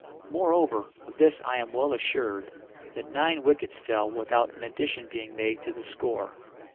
Moreover, of this I am well assured, that nine wickets fell without an addition being made to the score.